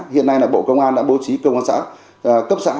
hiện nay là bộ công an đã bố trí công an xã cấp xã